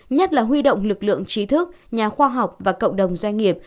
nhất là huy động lực lượng trí thức nhà khoa học và cộng đồng doanh nghiệp